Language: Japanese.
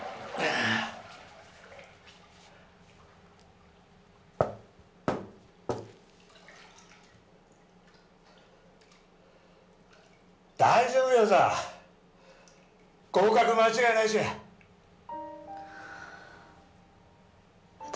あ大丈夫やさ合格間違いなしや私